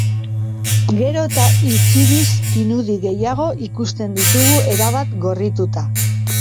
Gero eta intsinis pinudi gehiago ikusten ditugu erabat gorrituta.